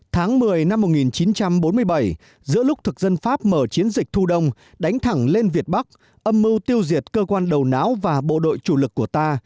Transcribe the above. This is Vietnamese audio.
tháng một mươi năm một nghìn chín trăm bốn mươi bảy giữa lúc thực dân pháp mở chiến dịch thu đông đánh thẳng lên việt bắc âm mưu tiêu diệt cơ quan đầu não và bộ đội chủ lực của ta